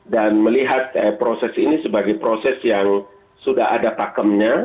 dan melihat proses ini sebagai proses yang sudah ada pakemnya